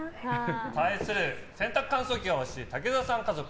対する、洗濯乾燥機が欲しい武澤さん家族。